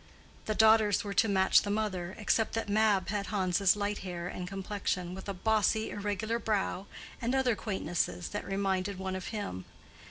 The daughters were to match the mother, except that Mab had Hans' light hair and complexion, with a bossy, irregular brow, and other quaintnesses that reminded one of him.